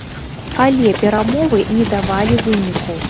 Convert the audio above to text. Але перамовы не давалі выніку.